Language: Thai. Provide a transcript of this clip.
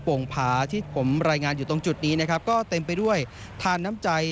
่งผาที่ผมรายงานอยู่ตรงจุดนี้นะครับก็เต็มไปด้วยทานน้ำใจ